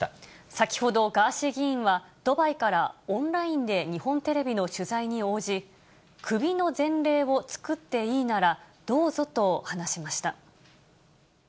先ほど、ガーシー議員は、ドバイからオンラインで日本テレビの取材に応じ、首の前例を作っていいなら、どうぞと話しました。